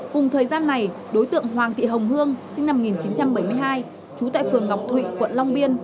cùng thời gian này đối tượng hoàng thị hồng hương sinh năm một nghìn chín trăm bảy mươi hai trú tại phường ngọc thụy quận long biên